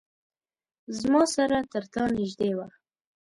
زما سره ترتا نیژدې وه